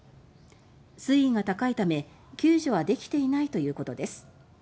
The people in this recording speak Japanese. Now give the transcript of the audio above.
水位が高いため救助はできていないということです。